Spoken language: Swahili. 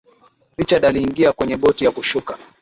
richard aliingia kwenye boti ya kushuka